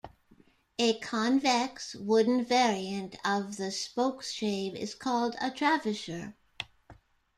A convex, wooden, variant of the spokeshave is called a travisher.